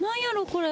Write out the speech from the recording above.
これ。